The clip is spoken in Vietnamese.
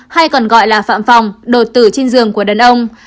hay còn gọi là phạm phòng đột tử trên giường của đàn ông